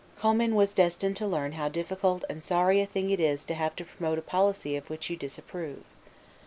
Commynes was destined to learn how difficult and sorry a thing it is to have to promote a policy of which you disapprove.